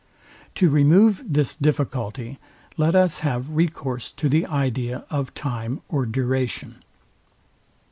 To remove this difficulty, let us have recourse to the idea of time or duration.